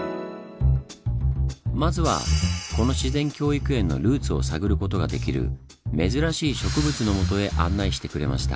まずはこの自然教育園のルーツを探ることができる珍しい植物のもとへ案内してくれました。